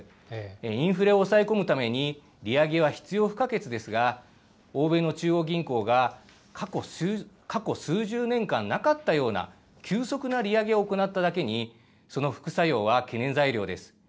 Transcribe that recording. インフレを抑え込むために、利上げは必要不可欠ですが、欧米の中央銀行が、過去数十年間なかったような急速な利上げを行っただけに、その副作用は懸念材料です。